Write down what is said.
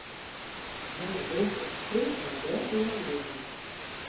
No rint it swit my wer yn 'e eagen.